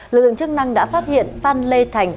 lực lượng chức năng đã phát hiện phan lê thành